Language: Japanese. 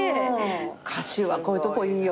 歌手はこういうとこいいよね。